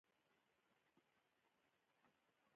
تاوان خو یې بېخي نشته.